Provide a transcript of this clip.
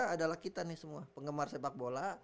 adalah kita nih semua penggemar sepak bola